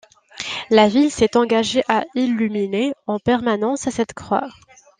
La ville s'est engagé à illuminer en permanence cette croix.